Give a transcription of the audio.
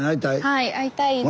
はい会いたいです。